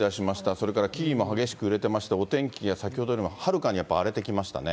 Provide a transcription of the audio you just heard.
それから木々も激しく揺れていまして、お天気は先ほどよりもはるかにやっぱり荒れてきましたね。